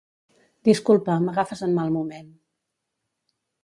Disculpa, m'agafes en mal moment.